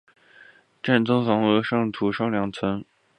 站房综合楼为地上两层。